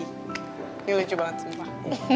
ini lucu banget sumpah